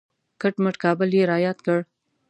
کټ مټ کابل یې را یاد کړ.